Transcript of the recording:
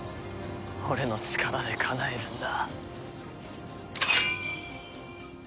俺の力でかなえるんだ。